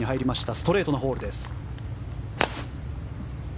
ストレートのホールです。